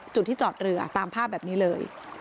จุดที่จอดเรือตามภาพแบบนี้เลย